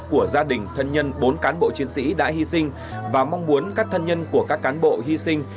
của gia đình thân nhân bốn cán bộ chiến sĩ đã hy sinh và mong muốn các thân nhân của các cán bộ hy sinh